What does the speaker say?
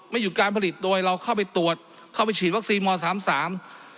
หยุดการผลิตโดยเราเข้าไปตรวจเข้าไปฉีดวัคซีนมสามสาม